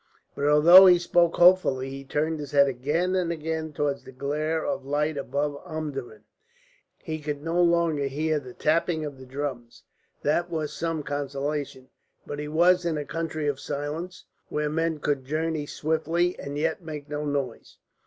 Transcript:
But although he spoke hopefully, he turned his head again and again towards the glare of light above Omdurman. He could no longer hear the tapping of the drums, that was some consolation. But he was in a country of silence, where men could journey swiftly and yet make no noise.